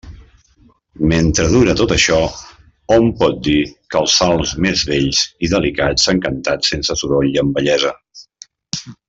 Mentre dura tot això, hom pot dir que els salms més bells i delicats s'han cantat sense soroll i amb bellesa.